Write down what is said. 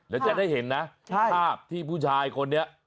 เดี๋ยวจะได้เห็นนะภาพที่ผู้ชายคนนี้